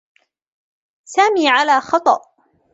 سامي على خطأ.